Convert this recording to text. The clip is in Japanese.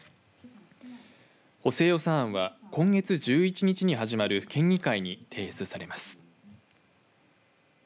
補正予算案は今月１１日に始まる県議会に提出されます。